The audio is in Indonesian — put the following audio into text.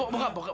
eh bokap bokap